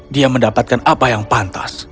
dia mendapatkan apa yang pantas